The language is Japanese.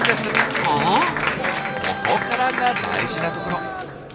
ここからが大事なところ。